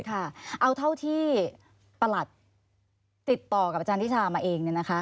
เอาเท่าที่ประหลัดติดต่อกับอาจารย์นิชามาเอง